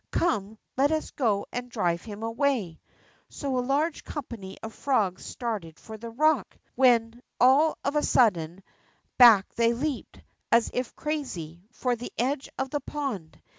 Come, let us go and drive him away." So a large company of frogs started for the rock, when, all of a sudden, back they leaped, as if crazy, for the edge of the pond.